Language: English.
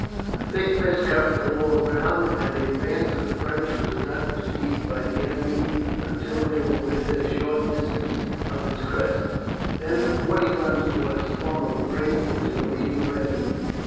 A thick mist covered the lower ground, and the advance of the French was not perceived by the enemy until they were within a short distance of its crest. Then the forty guns poured a storm of grape into the leading regiment.